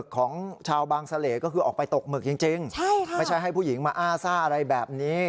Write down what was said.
ของชาวบางเสล่ก็คือออกไปตกหมึกจริงไม่ใช่ให้ผู้หญิงมาอ้าซ่าอะไรแบบนี้